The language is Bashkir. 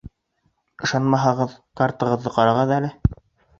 Ышанмаһағыҙ, картағыҙҙы ҡарағыҙ әле.